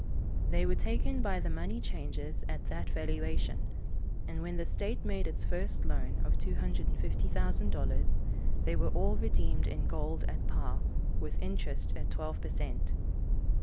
They were taken by the money changers at that valuation, and when the state made its first loan of $250,000, they were all redeemed in gold at par, with interest at twelve per cent.